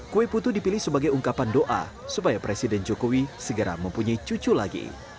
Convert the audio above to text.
kue putu dipilih sebagai ungkapan doa supaya presiden jokowi segera mempunyai cucu lagi